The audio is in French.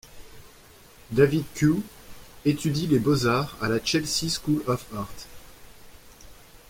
David Kew étudie les beaux-arts à la Chelsea School of Art.